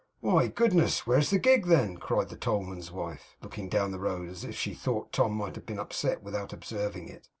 'Why, goodness, where's the gig, then?' cried the tollman's wife, looking down the road, as if she thought Tom might have been upset without observing it.